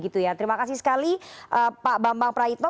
terima kasih sekali pak bambang praitno